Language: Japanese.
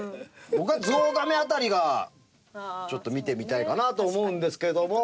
僕はゾウガメ辺りがちょっと見てみたいかなと思うんですけども。